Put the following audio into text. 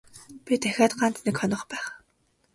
Би ахиад ганц нэг хонох байх.